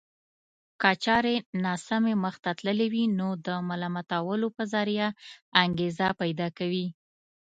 که چارې ناسمې مخته تللې وي نو د ملامتولو په ذريعه انګېزه پيدا کوي.